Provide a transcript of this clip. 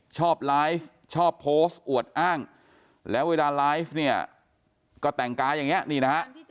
ชอบไลฟ์ชอบโพสต์อวดอ้างแล้วเวลาไลฟ์เนี่ยก็แต่งกายอย่างนี้นี่นะฮะ